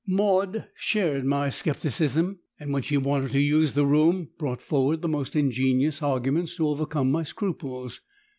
"Maud shared my scepticism and when she wanted to use the room, brought forward the most ingenious arguments to overcome my scruples.